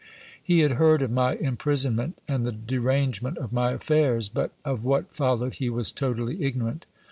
He had heard of my imprisonment and the derangement of my affairs ; but of what followed he was totally ignorant.